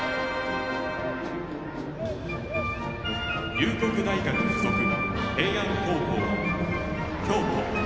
龍谷大学付属平安高校・京都。